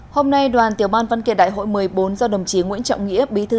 hôm nay đoàn tiểu ban văn kiện đại hội một mươi bốn do đồng chí nguyễn trọng nghĩa bí thư